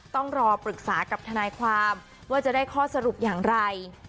ต้องรอปรึกษากับทนายความว่าจะได้ข้อสรุปอย่างไร